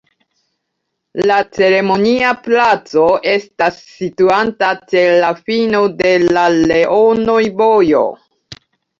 La Ceremonia Placo estas situanta ĉe la fino de la Leonoj-Vojo.